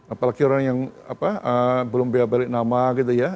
apalagi orang yang belum bea balik nama gitu ya